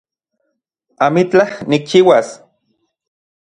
Amitlaj nikchiuas